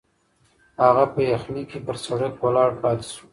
هغه په یخني کې پر سړک ولاړ پاتې شو.